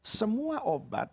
ini semua obat